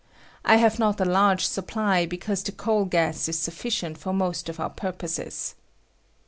I have not a large supply, because the coal gaa is sufficient for most of our purposes.